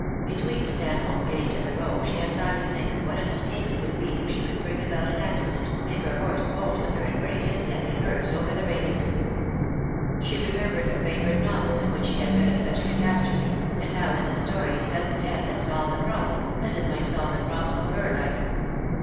Between Stanhope Gate and the Row she had time to think what an escape it would be if she could bring about an accident, make her horse bolt with her and break his neck and hers over the railings. She remembered a favourite novel in which she had read of such a catastrophe, and how in the story sudden death had solved a problem, as it might solve the problem of her life.